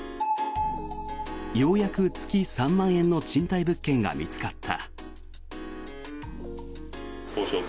ようやく月３万円の賃貸物件が見つかった。